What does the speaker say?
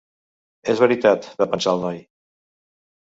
És veritat, va pensar el noi.